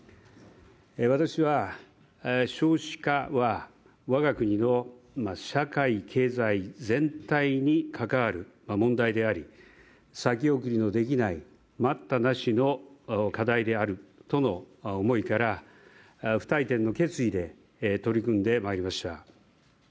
私は少子化はわが国の社会、経済、全体に関わる問題であり先送りのできない待ったなしの課題であるとの思いから不退転の決意で取り組んでまいりました。